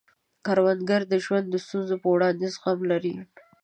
کروندګر د ژوند د ستونزو په وړاندې زغم لري